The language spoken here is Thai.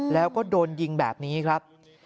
แล้วก็โดนยิงแบบนี้ครับ